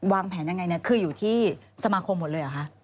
วางแผนอย่างไรคืออยู่ที่สมาคมหมดเลยเหรอคะ